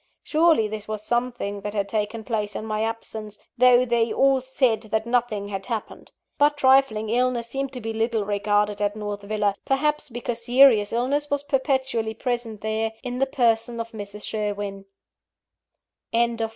Surely this was something that had taken place in my absence, though they all said that nothing had happened. But trifling illnesses seemed to be little regarded at North Villa perhaps, because serious illness was perpetually present there, in the person of Mrs. Sherwin. VI.